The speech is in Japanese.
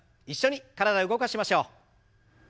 一緒に体動かしましょう。